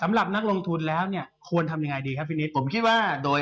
สำหรับนักลงทุนแล้วนี่ควรทำยังไงดีนะค่ะพี่นิศ